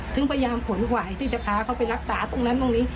ถึงพยายามขนขวายที่จะพาเขาไปรักษาตรงนั้นตรงนี้